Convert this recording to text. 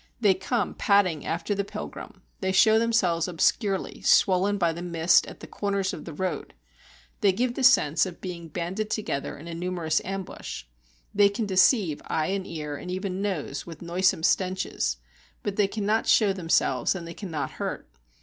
They come padding after the pilgrim, they show themselves obscurely, swollen by the mist at the corners of the road. They give the sense of being banded together in a numerous ambush, they can deceive eye and ear, and even nose with noisome stenches; but they cannot show themselves, and they cannot hurt.